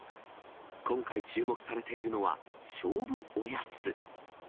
今回注目されているのは、勝負おやつ。